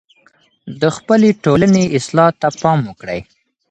د خپلې ټولني اصلاح ته پام وکړئ.